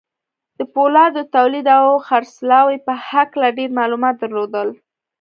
د پولادو د توليد او خرڅلاو په هکله ډېر معلومات درلودل.